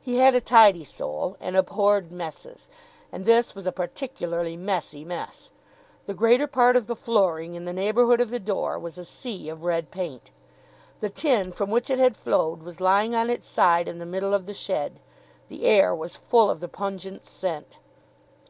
He had a tidy soul and abhorred messes. And this was a particularly messy mess. The greater part of the flooring in the neighbourhood of the door was a sea of red paint. The tin from which it had flowed was lying on its side in the middle of the shed. The air was full of the pungent scent.